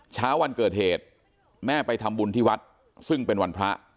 เช้าวันเกิดเหตุแม่ไปทำบุญที่วัดซึ่งเป็นวันพระ